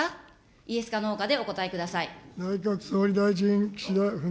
イエスか、ノーかでお答えください。